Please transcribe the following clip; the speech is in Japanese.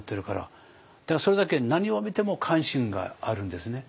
だからそれだけ何を見ても関心があるんですね。